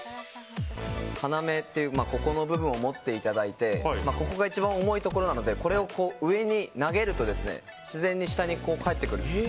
要っていうここの部分を持っていただいてここが、一番重いところなので上に投げると自然に下に帰ってくる。